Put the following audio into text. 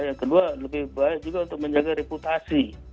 yang kedua lebih baik juga untuk menjaga reputasi